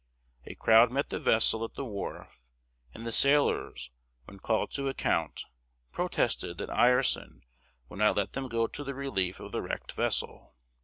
A crowd met the vessel at the wharf, and the sailors, when called to account, protested that Ireson would not let them go to the relief of the wrecked vessel.